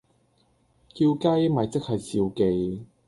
叫雞咪即係召妓